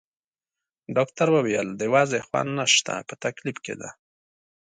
ډاکټر وویل: د وضعې خوند نشته، په تکلیف کې ده.